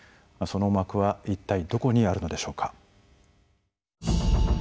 その思惑は一体どこにあるのでしょうか。